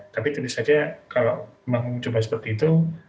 tapi tentu saja kalau mencoba seperti itu